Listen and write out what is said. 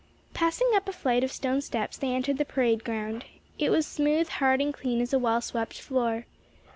Passing up a flight of stone steps they entered the parade ground. It was smooth, hard and clean as a well swept floor.